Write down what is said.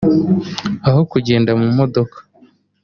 aho kugenda mu modoka)